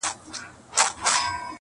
راته ايښي يې گولۍ دي انسانانو!.